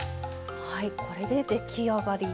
はいこれで出来上がり。